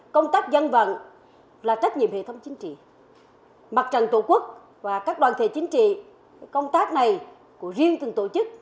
công tác dân vận là trách nhiệm hệ thống chính trị mặt trận tổ quốc và các đoàn thể chính trị công tác này của riêng từng tổ chức